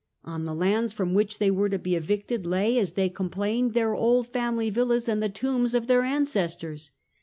On the lands from which they were to be evicted lay, as they complained, their old family villas and the tombs of their ancestors.